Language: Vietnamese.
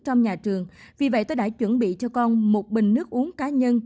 trong nhà trường vì vậy tôi đã chuẩn bị cho con một bình nước uống cá nhân